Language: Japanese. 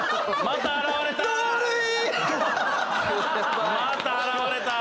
また現れた！